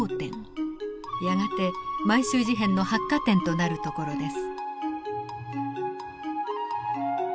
やがて満州事変の発火点となる所です。